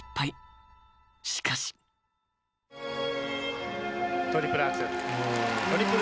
［しかし］トリプルアクセル。